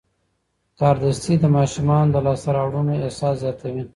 کاردستي د ماشومانو د لاسته راوړنو احساس زیاتوي.